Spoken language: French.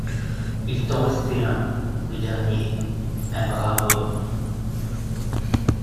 Il t’en restait un… le dernier… un brave homme…